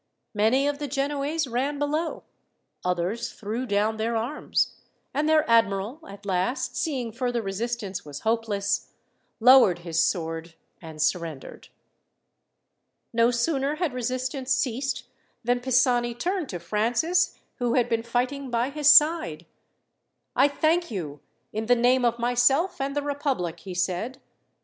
Many of the Genoese ran below. Others threw down their arms, and their admiral, at last, seeing further resistance was hopeless, lowered his sword and surrendered. No sooner had resistance ceased than Pisani turned to Francis, who had been fighting by his side: "I thank you, in the name of myself and the republic," he said.